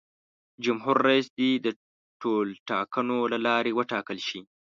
جمهور رئیس دې د ټولټاکنو له لارې وټاکل شي.